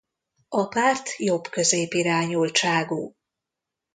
A párt jobbközép irányultságú.